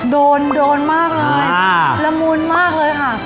โดนโดนมากเลยละมุนมากเลยค่ะ